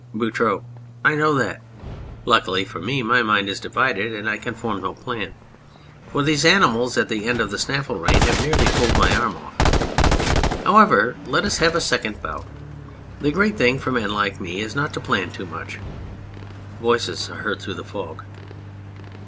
BOUTROUX. I know that. Luckily for me my mind is divided, and I can form no plan. For these animals at the end of the snaffle rein have nearly pulled my arm off. However, let us have a second bout. The great thing for men like me is not to plan too much. (Voices are heard through the fog.)